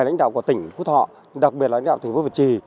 lãnh đạo của tỉnh phú thọ đặc biệt là lãnh đạo thành phố việt trì